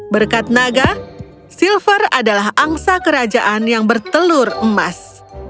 berkat naga silver adalah angsa kerajaan yang bertelur emas